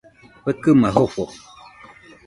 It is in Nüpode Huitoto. Fekɨma jofo.